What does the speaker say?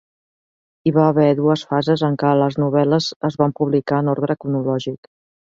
Hi va haver dues fases en què les novel·les es van publicar en ordre cronològic.